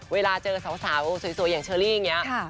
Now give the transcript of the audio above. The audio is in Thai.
เวลาเจอสาวสวยอย่างเชอรี่อย่างนี้